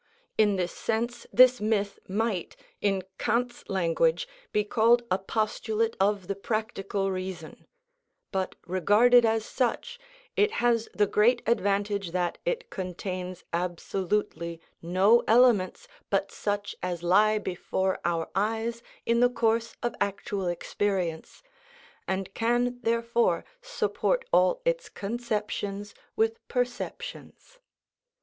In this sense this myth might, in Kant's language, be called a postulate of the practical reason; but regarded as such, it has the great advantage that it contains absolutely no elements but such as lie before our eyes in the course of actual experience, and can therefore support all its conceptions with perceptions.